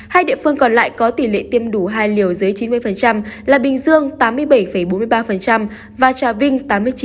hai địa phương còn lại có tỷ lệ tiêm đủ hai liều dưới chín mươi là bình dương tám mươi bảy bốn mươi ba và trà vinh tám mươi chín